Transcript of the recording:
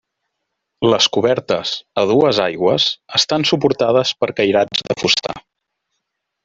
Les cobertes, a dues aigües, estan suportades per cairats de fusta.